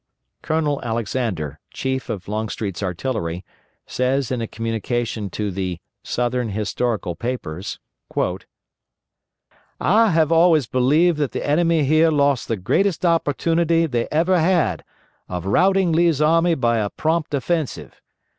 Colonel Alexander, Chief of Longstreet's artillery, says in a communication to the "Southern Historical Papers": "I have always believed that the enemy here lost the greatest opportunity they ever had of routing Lee's army by a prompt offensive.